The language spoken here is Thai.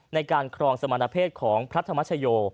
ในการครองสมณเพศของพระธรรมชโย